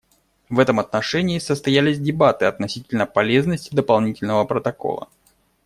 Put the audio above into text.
В этом отношении состоялись дебаты относительно полезности дополнительного протокола.